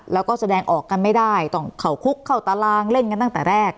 แล้วก็แสดงออกกันไม่ได้ต้องเข้าคุกเข้าตารางเล่นกันตั้งแต่แรก